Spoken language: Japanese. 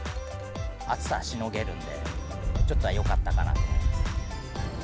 暑さはしのげるんで、ちょっとはよかったかなと。